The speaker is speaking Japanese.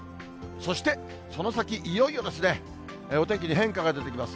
そしてその先、いよいよお天気に変化が出てきます。